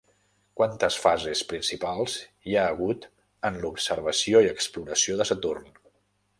Quantes fases principals hi ha hagut en l'observació i exploració de Saturn?